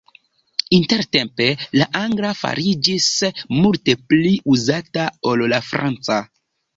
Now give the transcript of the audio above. Intertempe la angla fariĝis multe pli uzata ol la franca.